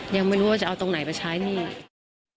ยังไม่รู้ว่าจะเอาตรงไหนไปใช้หนี้